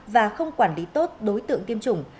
và không quản lý tốt đối tượng tiêm chủng